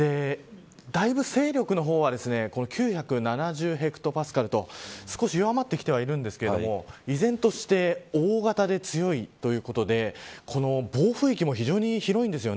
だいぶ勢力の方は９７０ヘクトパスカルと少し弱ってきてはいるんですけど依然として大型で強いということで暴風域も非常に広いです。